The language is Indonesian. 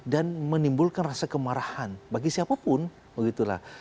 dan menimbulkan rasa kemarahan bagi siapapun begitulah